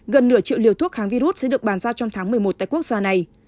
gần nửa triệu liều thuốc kháng virus sẽ được bàn giao trong tháng một mươi một tại quốc gia này